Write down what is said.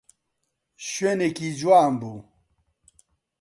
شوێنێکی جوان بوو.